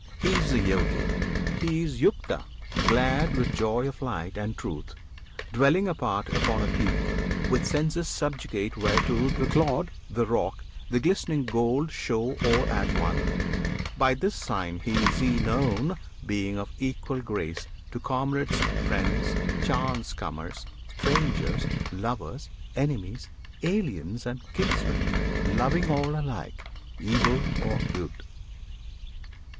He is the Yogi, he is Yukta, glad With joy of light and truth; dwelling apart Upon a peak, with senses subjugate Whereto the clod, the rock, the glistering gold Show all as one. By this sign is he known Being of equal grace to comrades, friends, Chance comers, strangers, lovers, enemies, Aliens and kinsmen; loving all alike, Evil or good.